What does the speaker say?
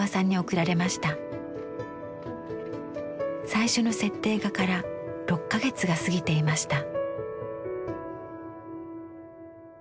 最初の設定画から６か月が過ぎていました。